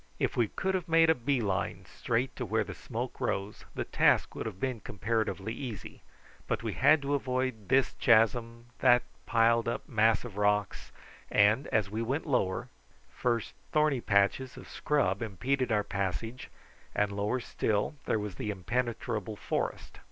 If we could have made a bee line right to where the smoke rose the task would have been comparatively easy, but we had to avoid this chasm, that piled up mass of rocks, and, as we went lower, first thorny patches of scrub impeded our passage, and lower still there was the impenetrable forest.